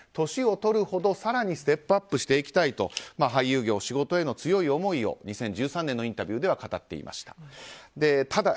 年を取るほど更にステップアップしていきたいと俳優業、仕事への強い思いを２０１３年のインタビューでは語っていました。